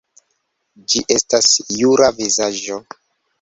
Ĝi estas jura vizaĝo.